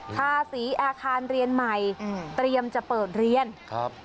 ภาษีอาคารเรียนใหม่อืมเตรียมจะเปิดเรียนครับ